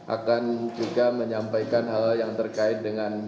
akan juga menyampaikan hal yang terkait dengan